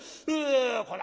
こら